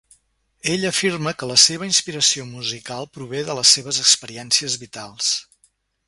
Ell afirma que la seva inspiració musical prové de les seves experiències vitals.